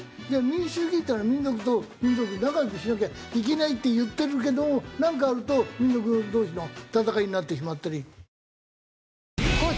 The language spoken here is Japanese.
民族と民族仲良くしなきゃいけないって言ってるけどなんかあると民族同士の戦いになってしまったり。